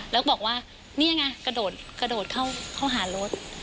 แล้วก็บอกว่านี่ยังไงกระโดดเข้าหารถ